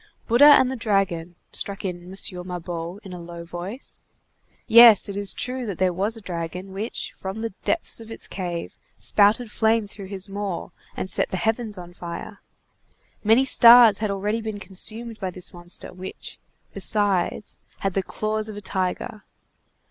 "Bouddha and the Dragon," struck in M. Mabeuf in a low voice. "Yes, it is true that there was a dragon, which, from the depths of its cave, spouted flame through his maw and set the heavens on fire. Many stars had already been consumed by this monster, which, besides, had the claws of a tiger.